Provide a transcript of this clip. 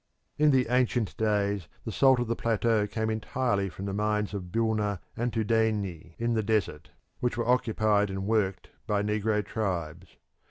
In the ancient days the salt of the plateau came entirely from the mines of Bilma and Toudeyni, in the desert, which were occupied and worked by negro tribes.